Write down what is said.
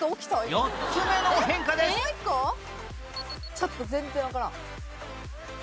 ちょっと全然わからん。